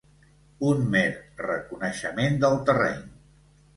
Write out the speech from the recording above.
Un mer reconeixement del terreny.